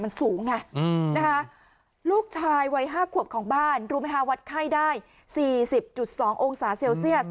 มันสูงไงนะคะลูกชายวัย๕ขวบของบ้านรู้ไหมคะวัดไข้ได้๔๐๒องศาเซลเซียส